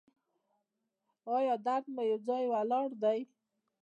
ایا درد مو یو ځای ولاړ دی؟